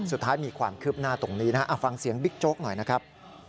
สุดท้ายมีความคืบหน้าตรงนี้นะฮะฟังเสียงบิ๊กโจ๊กหน่อยนะครับ